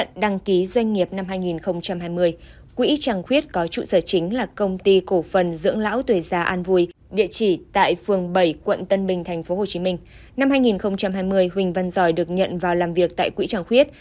năm hai nghìn hai mươi huỳnh văn giỏi được nhận vào làm việc tại quỹ trăng khuyết